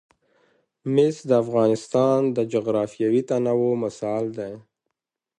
مس د افغانستان د جغرافیوي تنوع مثال دی.